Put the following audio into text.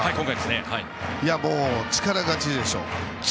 力勝ちでしょ。